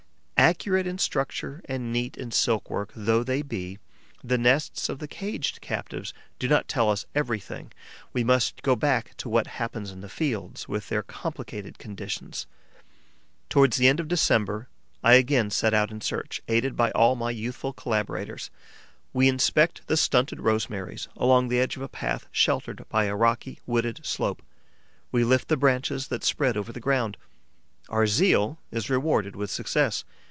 Accurate in structure and neat in silk work though they be, the nests of the caged captives do not tell us everything; we must go back to what happens in the fields, with their complicated conditions. Towards the end of December, I again set out in search, aided by all my youthful collaborators. We inspect the stunted rosemaries along the edge of a path sheltered by a rocky, wooded slope; we lift the branches that spread over the ground. Our zeal is rewarded with success.